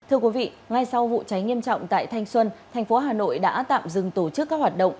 thưa quý vị ngay sau vụ cháy nghiêm trọng tại thanh xuân thành phố hà nội đã tạm dừng tổ chức các hoạt động